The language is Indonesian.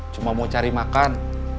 cuma mau cari makan